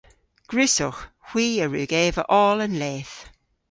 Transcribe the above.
Gwrussowgh. Hwi a wrug eva oll an leth.